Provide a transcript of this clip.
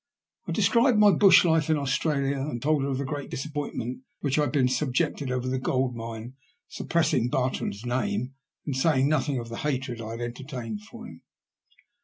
I described my bush life in Australia, and told her of the great disappointment to which I had been subjected over the gold mine, sup pressing Bartrand's name, and saying nothing of the hatred I had entertained for him.